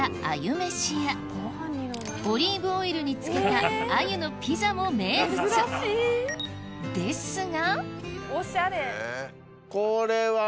めしやオリーブオイルに漬けた鮎のピザも名物ですがこれは。